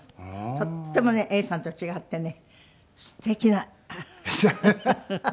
とってもね永さんと違ってねすてきな。ハハハハ。